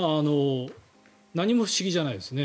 何も不思議じゃないですね。